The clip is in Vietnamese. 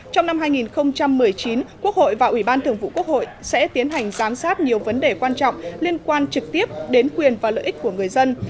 trong năm hai nghìn một mươi chín quốc hội và ủy ban thường vụ quốc hội sẽ tiến hành giám sát nhiều vấn đề quan trọng liên quan trực tiếp đến quyền và lợi ích của người dân